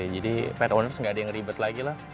jadi pet owners nggak ada yang ribet lagi lah